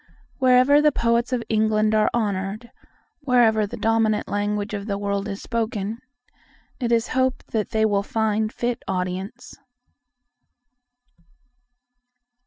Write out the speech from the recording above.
Wherever the poets of England are honoured, wherever the dominant language of the world is spoken, it is hoped that they will find fit audience.